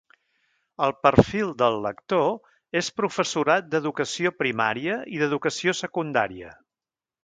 El perfil del lector és professorat d'educació primària i d'educació secundària.